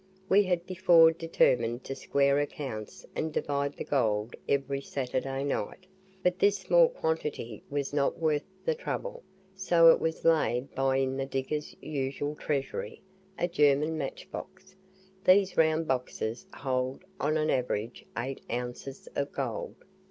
We had before determined to square accounts and divide the gold every Saturday night, but this small quantity was not worth the trouble, so it was laid by in the digger's usual treasury, a German match box. These round boxes hold on an average eight ounces of gold.